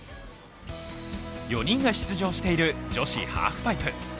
４人が出場している女子ハーフパイプ。